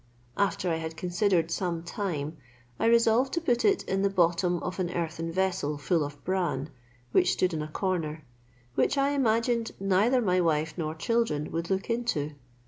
After I had considered some time, I resolved to put it in the bottom of an earthen vessel full of bran, which stood in a corner, which I imagined neither my wife nor children would look into.